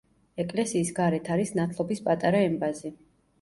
ეკლესიის გარეთ არის ნათლობის პატარა ემბაზი.